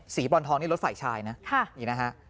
บรอนทองนี่รถฝ่ายชายนะนี่นะฮะ